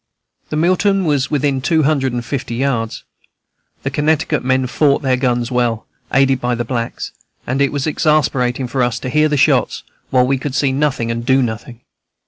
The Milton was within two hundred and fifty yards. The Connecticut men fought then: guns well, aided by the blacks, and it was exasperating for us to hear the shots, while we could see nothing and do nothing.